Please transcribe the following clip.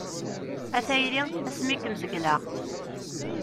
A tayri asmi kem-zegleɣ.